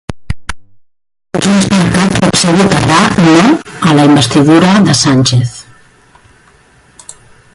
JxCat potser votarà 'no'a la investidura de Sánchez.